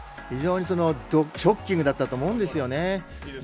非常にショッキングだったと思うんですよね。